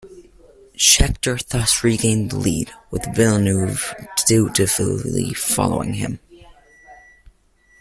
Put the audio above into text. Scheckter thus regained the lead, with Villeneuve dutifully following him.